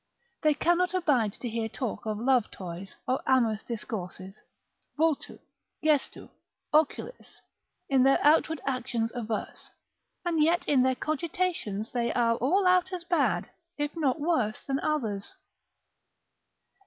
They cannot abide to hear talk of love toys, or amorous discourses, vultu, gestu, oculis in their outward actions averse, and yet in their cogitations they are all out as bad, if not worse than others.